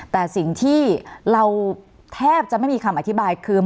แต่สิ่งที่เราแทบจะไม่มีคำอธิบายคือ